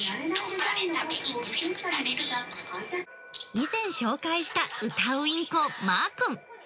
以前紹介した歌うインコ、まーくん。